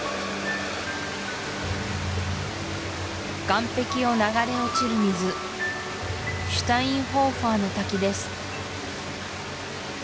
岸壁を流れ落ちる水シュタインホーファーの滝です